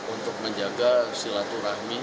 untuk menjaga silaturahmi